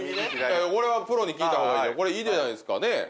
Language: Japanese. これはプロに聞いたほうがこれいいじゃないですかねえ？